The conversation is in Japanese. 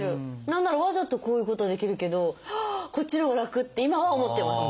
何ならわざとこういうことはできるけどこっちのほうが楽！って今は思ってます。